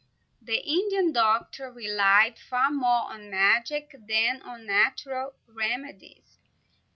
The Indian doctor relied far more on magic than on natural remedies.